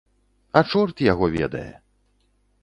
А чорт яго ведае.